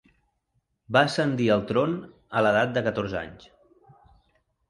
Va ascendir al tron a l'edat de catorze anys.